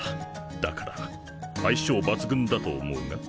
だから相性抜群だと思うが？